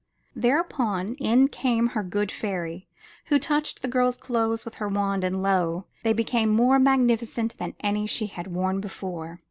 Thereupon, in came her good fairy, who touched the girrs clothes with her wand, and lo! they became more magnificent than any she had worn before.